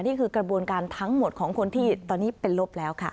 นี่คือกระบวนการทั้งหมดของคนที่ตอนนี้เป็นลบแล้วค่ะ